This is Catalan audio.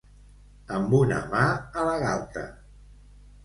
Amb una mà a la galta.